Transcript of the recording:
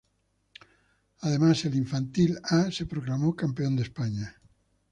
Además, el infantil A se proclamó campeón de España.